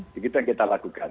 begitu yang kita lakukan